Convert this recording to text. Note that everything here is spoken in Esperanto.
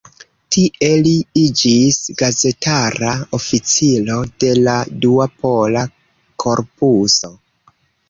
Tie li iĝis gazetara oficiro de la Dua Pola Korpuso.